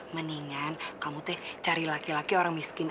mendingan kamu teh cari laki laki orang miskin